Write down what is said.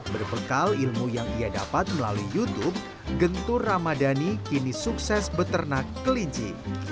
berbekal ilmu yang ia dapat melalui youtube gentur ramadhani kini sukses beternak kelinci